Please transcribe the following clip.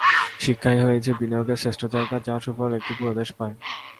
শিক্ষা হচ্ছে বিনিয়োগের শ্রেষ্ঠ জায়গা, যার সুফল একটি পুরো দেশ পায়।